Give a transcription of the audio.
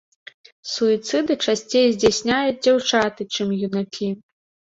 Суіцыды часцей здзяйсняюць дзяўчаты, чым юнакі.